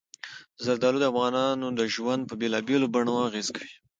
زردالو د افغانانو ژوند په بېلابېلو بڼو اغېزمن کوي.